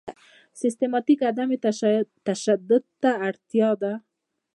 سیستماتیک عدم تشدد ته اړتیا ده.